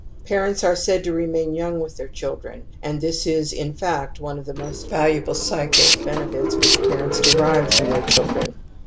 Q Parents are said to remain young with their children, and ^< this is, in fact, one of the most valuable psychic benefits which parents derive from their children.